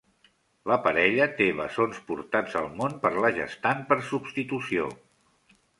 La parella té bessons portats al món per la gestant per substitució.